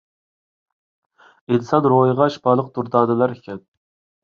ئىنسان روھىغا شىپالىق دۇردانىلەر ئىكەن.